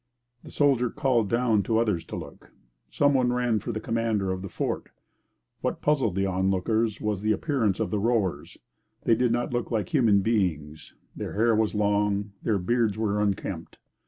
The soldier called down others to look. Some one ran for the commander of the fort. What puzzled the onlookers was the appearance of the rowers. They did not look like human beings; their hair was long; their beards were unkempt.